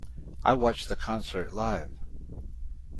I watched the concert live.